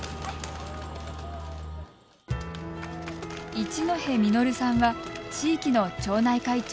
一戸実さんは地域の町内会長。